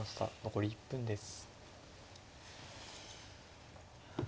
残り１分です。